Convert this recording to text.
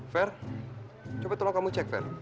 fer coba tolong kamu cek fer